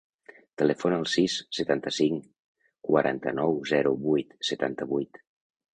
Telefona al sis, setanta-cinc, quaranta-nou, zero, vuit, setanta-vuit.